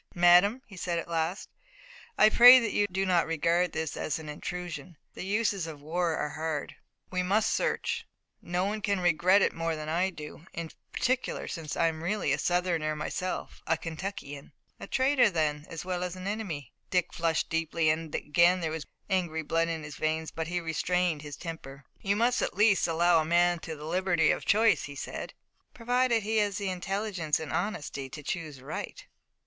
"Madame," he said at last, "I pray that you do not regard this as an intrusion. The uses of war are hard. We must search. No one can regret it more than I do, in particular since I am really a Southerner myself, a Kentuckian." "A traitor then as well as an enemy." Dick flushed deeply, and again there was angry blood in his veins, but he restrained his temper. "You must at least allow to a man the liberty of choice," he said. "Provided he has the intelligence and honesty to choose right."